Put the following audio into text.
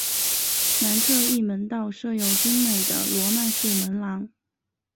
南侧翼门道设有精美的罗曼式门廊。